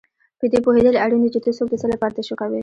په دې پوهېدل اړین دي چې ته څوک د څه لپاره تشویقوې.